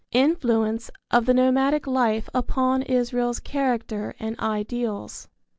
II. INFLUENCE OV THE NOMADIC LIFE UPON ISRAEL'S CHARACTER AND IDEALS.